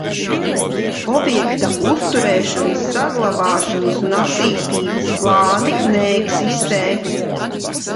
Objekta uzturēšanas, saglabāšanas un attīstības plāni neeksistē.